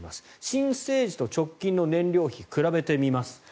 申請時と直近の燃料費比べてみます。